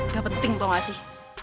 gak penting tau gak sih